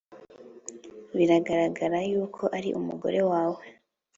Biragaragara yuko ari umugore wawe